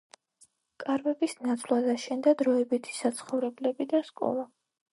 კარვების ნაცვლად აშენდა დროებითი საცხოვრებლები და სკოლა.